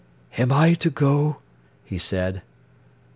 "Am I to go?" he said.